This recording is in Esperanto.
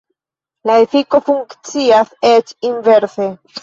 La efiko funkcias eĉ inverse.